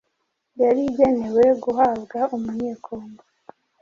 yari igenewe guhabwa Umunyekongo,